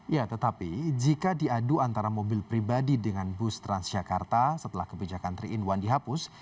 ya tetapi jika diadu antara mobil pribadi dengan bus transjakarta setelah kebijakan tiga in satu dihapus